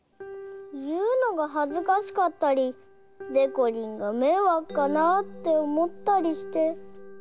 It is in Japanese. いうのがはずかしかったりでこりんがめいわくかなっておもったりして。